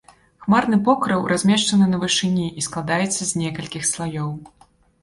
Хмарны покрыў размешчаны на вышыні і складаецца з некалькіх слаёў.